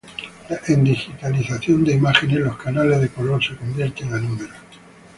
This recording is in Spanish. En digitalización de imágenes, los canales de color se convierten a números.